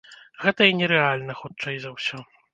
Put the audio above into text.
Гэта і нерэальна, хутчэй за ўсё.